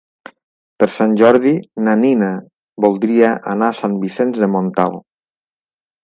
Per Sant Jordi na Nina voldria anar a Sant Vicenç de Montalt.